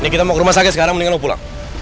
kita mau ke rumah sakit sekarang mendingan mau pulang